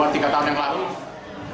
tiga tahun yang lalu